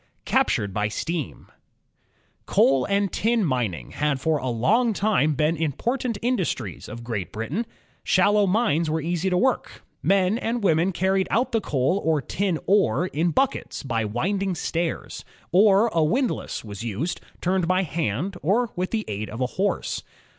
^ Captured by Steam Coal and tin mining had for a long time been im portant industries of Great Britain. Shallow mines were easy to work. Men and women carried out the coal or 12 INVENTIONS OF STEAM AND ELECTRIC POWER tin ore in buckets, by winding stairs. Or a windlass was used, turned by hand or with the aid of a horse.